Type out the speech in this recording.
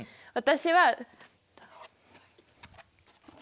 私は。